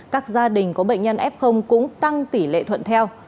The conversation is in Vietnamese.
các gia đình có bệnh nhân f cũng tăng tỷ lệ thuận theo